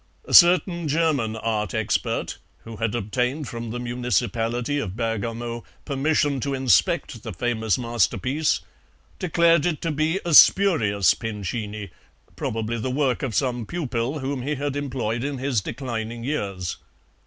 A certain German art expert, who had obtained from the municipality of Bergamo permission to inspect the famous masterpiece, declared it to be a spurious Pincini, probably the work of some pupil whom he had employed in his declining years.